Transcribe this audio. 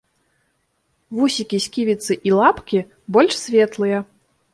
Вусікі, сківіцы і лапкі больш светлыя.